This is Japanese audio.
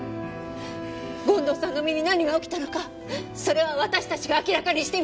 権藤さんの身に何が起きたのかそれは私たちが明らかにしてみせる。